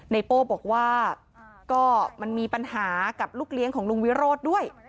โป้บอกว่าก็มันมีปัญหากับลูกเลี้ยงของลุงวิโรธด้วย